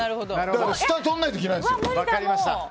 だから下をとらなきゃいけないです。